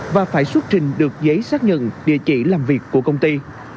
và phải xuất trình được giấy xác nhận địa chỉ làm việc của công ty